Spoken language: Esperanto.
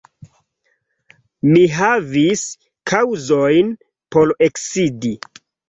Mi havis kaŭzojn por eksidi.